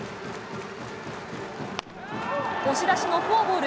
押し出しのフォアボール。